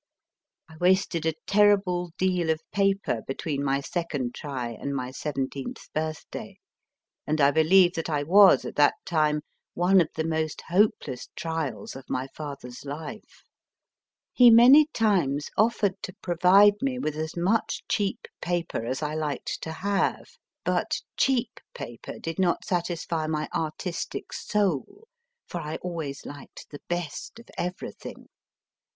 I wasted a terrible deal of paper between my second try and my seventeenth birthday, and I believe that I was, at that time, one of the most hopeless trials of my father s life. He many times offered to provide me with as much cheap paper as I liked to have ; but cheap paper did not satisfy my artistic soul, for I always liked the best of everything.